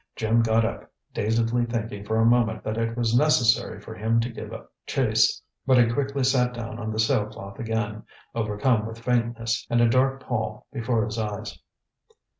Jim got up, dazedly thinking for a moment that it was necessary for him to give chase, but he quickly sat down on the sail cloth again, overcome with faintness and a dark pall before his eyes.